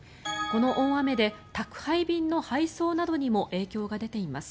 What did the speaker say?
この大雨で宅配便の配送などにも影響が出ています。